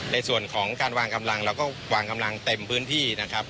ในส่วนของการวางกำลังเราก็วางกำลังเต็มพื้นที่นะครับ